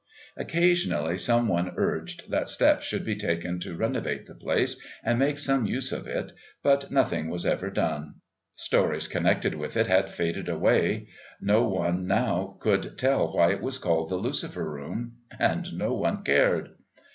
Occasionally some one urged that steps should be taken to renovate the place and make some use of it, but nothing was ever done. Stories connected with it had faded away; no one now could tell why it was called the Lucifer Room and no one cared.